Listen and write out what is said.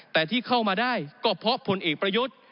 แต่ที่เข้ามาได้ก็เพราะผลเอกประยุทธ์